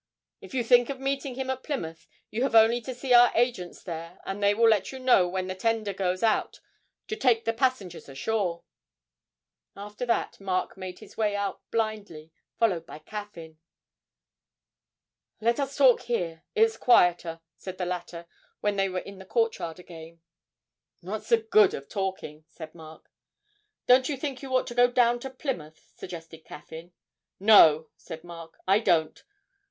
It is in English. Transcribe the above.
If you think of meeting him at Plymouth, you have only to see our agents there, and they will let you know when the tender goes out to take the passengers ashore.' After that Mark made his way out blindly, followed by Caffyn. 'Let us talk here; it's quieter,' said the latter when they were in the courtyard again. 'What's the good of talking?' said Mark. 'Don't you think you ought to go down to Plymouth?' suggested Caffyn. 'No,' said Mark, 'I don't.